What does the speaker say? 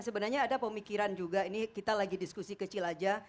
sebenarnya ada pemikiran juga ini kita lagi diskusi kecil aja